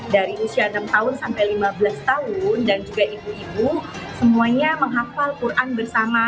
dari usia enam tahun sampai lima belas tahun dan juga ibu ibu semuanya menghafal quran bersama